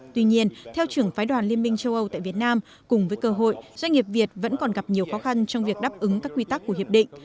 tuy nhiên theo trưởng phái đoàn liên minh châu âu tại việt nam cùng với cơ hội doanh nghiệp việt vẫn còn gặp nhiều khó khăn trong việc đáp ứng các quy tắc của hiệp định